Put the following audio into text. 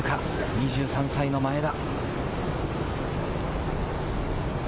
２３歳の前田。